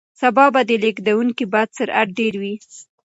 سبا به د لګېدونکي باد سرعت ډېر وي.